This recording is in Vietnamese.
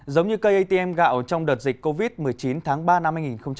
giống như cây atm gạo trong đợt dịch covid một mươi chín tháng ba năm hai nghìn hai mươi